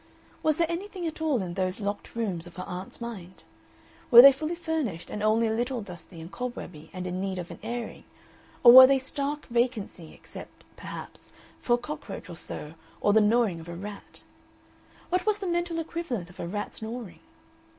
Was there anything at all in those locked rooms of her aunt's mind? Were they fully furnished and only a little dusty and cobwebby and in need of an airing, or were they stark vacancy except, perhaps, for a cockroach or so or the gnawing of a rat? What was the mental equivalent of a rat's gnawing?